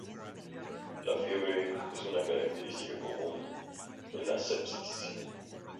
La fiebre es una característica común de la sepsis.